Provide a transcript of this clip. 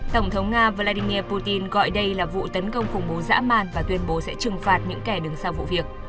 tổng thống nga vladimir putin gọi đây là vụ tấn công khủng bố dã màn và tuyên bố sẽ trừng phạt những kẻ đứng sau vụ việc